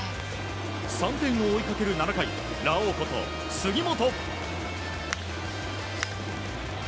３点を追いかける７回ラオウこと、杉本！